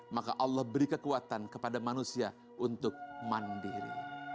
maka allah beri kekuatan kepada manusia untuk mandiri